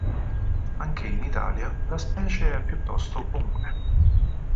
Anche in Italia la specie è piuttosto comune.